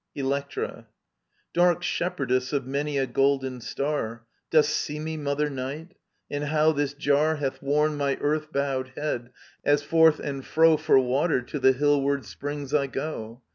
Electra, Dark shepherdess of many a golden star. Dost see me. Mother Night ? And how this jar Hath worn my earth bowed head, as forth and fro For water to the hillward springs I go